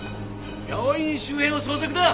病院周辺を捜索だ！